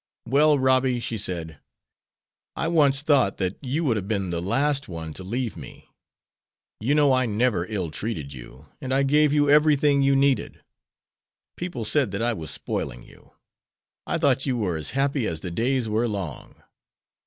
"Well, Robby," she said, "I once thought that you would have been the last one to leave me. You know I never ill treated you, and I gave you everything you needed. People said that I was spoiling you. I thought you were as happy as the days were long.